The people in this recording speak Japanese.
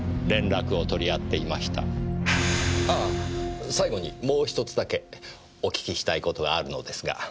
ああ最後にもう１つだけお訊きしたいことがあるのですが。